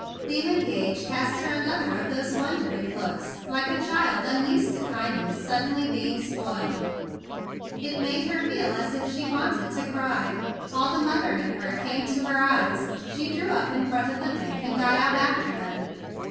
Lyman Gage cast her another of those wondering looks like a child un¬ used to kindness suddenly being petted. It made her feel as if she wanted to cry. All the mother in her came to her eyes. She drew up in front of the bank, and got out after him.